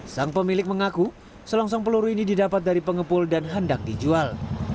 sang pemilik mengaku selongsong peluru ini didapat dari pengepul dan hendak dijual